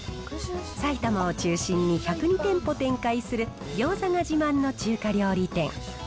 埼玉を中心に１０２店舗展開する、餃子が自慢の中華料理店。